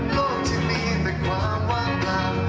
โลกที่มีแต่ความว่างลาย